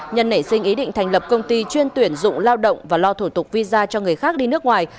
nhân nảy sinh ý định thành lập công ty chuyên tuyển dụng lao động và lo thủ tục visa cho người khác đi nước ngoài